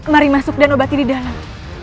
mari masuk dan obati di dalam